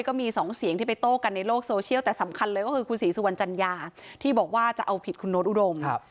ก็มีสองเสียงที่ไปโต้กันในโลกโซเชียลแต่สำคัญเลยก็คือคุณศรีสุวรรณจัญญาที่บอกว่าจะเอาผิดคุณโน้ตอุดม